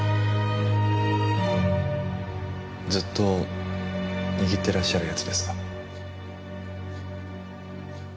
ずっと握ってらっしゃるやつですか？